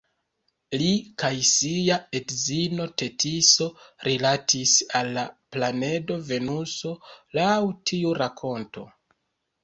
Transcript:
Li kaj sia edzino Tetiso rilatis al la planedo Venuso, laŭ tiu rakonto.